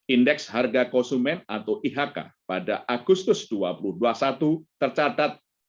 indeks harga konsumen atau ihk pada agustus dua ribu dua puluh satu tercatat